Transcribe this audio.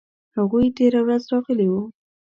هغوی تیره ورځ راغلي وو